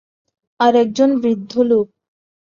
আর একজন বৃদ্ধ লোক।